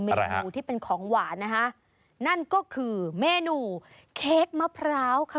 เมนูที่เป็นของหวานนะคะนั่นก็คือเมนูเค้กมะพร้าวค่ะ